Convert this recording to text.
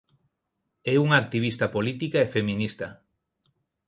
É unha activista política e feminista.